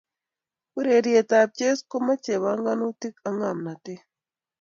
Urerietab chess komochei pongonutik ak ngomnoteet